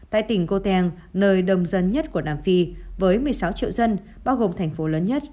tại tỉnh cô teng nơi đồng dân nhất của nam phi với một mươi sáu triệu dân bao gồm thành phố lớn nhất